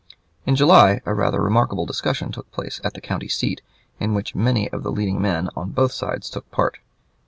In July a rather remarkable discussion took place at the county seat, in which many of the leading men on both sides took part.